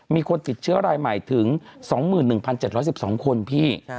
มีคนติดเชื้อรายใหม่ถึง๒๑๗๑๒คนพี่